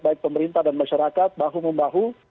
baik pemerintah dan masyarakat bahu membahu